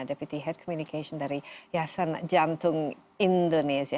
deputi head communication dari yasan jantung indonesia